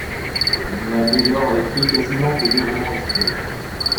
Il n'a dès lors écrit quasiment que des romans historiques.